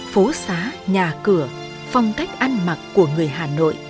phố xá nhà cửa phong cách ăn mặc của người hà nội